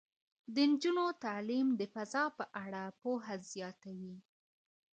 د نجونو تعلیم د فضا په اړه پوهه زیاتوي.